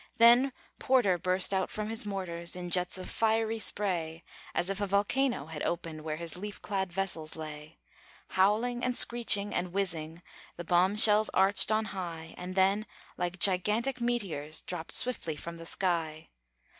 Then Porter burst out from his mortars, In jets of fiery spray, As if a volcano had opened Where his leaf clad vessels lay. Howling and screeching and whizzing The bomb shells arched on high, And then, like gigantic meteors, Dropped swiftly from the sky.